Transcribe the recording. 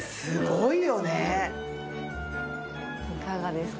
いかがですか？